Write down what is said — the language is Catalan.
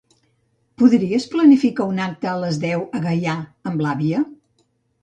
Podries planificar un acte a les deu a Gaià amb l'àvia?